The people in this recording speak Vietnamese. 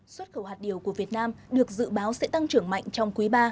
xuất khẩu hạt điều của việt nam được dự báo sẽ tăng trưởng mạnh trong quý ba